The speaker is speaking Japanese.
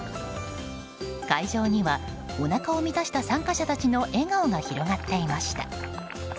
会場にはおなかを満たした参加者たちの笑顔が広がっていました。